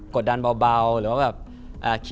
กดดันเบาหรือว่าแบบ